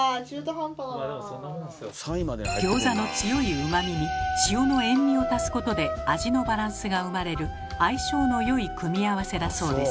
ギョーザの強いうまみに塩の塩味を足すことで味のバランスが生まれる相性の良い組み合わせだそうです。